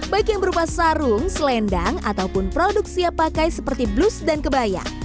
baik yang berupa sarung selendang ataupun produk siap pakai seperti blus dan kebaya